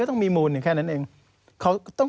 ต้องมีมูลแค่นั้นเอง